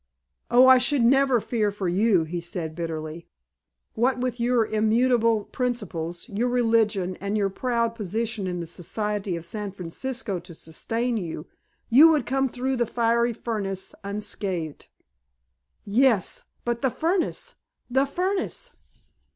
"Oh, I should never fear for you," he said bitterly. "What with your immutable principles, your religion, and your proud position in the Society of San Francisco to sustain you, you would come through the fiery furnace unscathed." "Yes, but the furnace! The furnace!"